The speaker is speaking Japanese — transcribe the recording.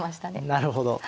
なるほど。